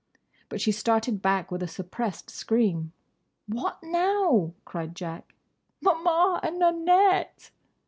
But she started back with a suppressed scream. "What now?" cried Jack. "Maman and Nanette!"